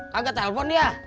kagak telfon dia